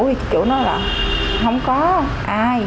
thì chị chủ nói là không có ai